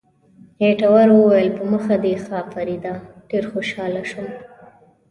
ایټور وویل، په مخه دې ښه فریډه، ډېر خوشاله شوم.